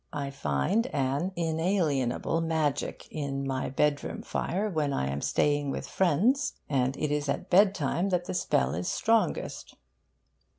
I find an inalienable magic in my bedroom fire when I am staying with friends; and it is at bedtime that the spell is strongest.